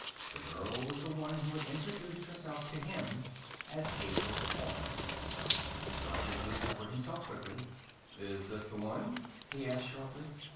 The girl was the one who had introduced herself to him as April Horn. Dorchin recovered himself quickly. "Is this the one?" he asked sharply.